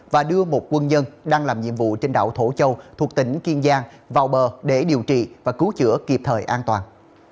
và đưa một quân nhân đang làm nhiệm vụ trên đảo thổ châu thuộc tỉnh kiên giang vào bờ để điều trị và cứu chữa kịp thời an toàn